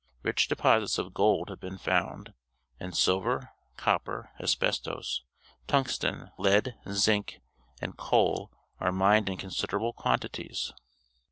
Rich deposits of gold have been found, and silver, copper, asbestos, tungsten, lead, zinc, and coal are mined in considerable quantities.